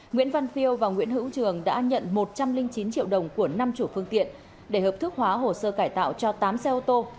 nguyễn văn phiêu và nguyễn hữu trường đã nhận một trăm linh chín triệu đồng của năm chủ phương tiện để hợp thức hóa hồ sơ cải tạo cho tám xe ô tô